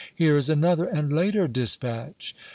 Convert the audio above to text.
"Here is another and later dispatch."